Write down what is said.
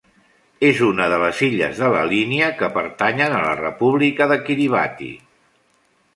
És una de les illes de la Línia que pertanyen a la República de Kiribati.